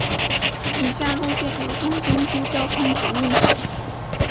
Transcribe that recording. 以下路线由东京都交通局运行。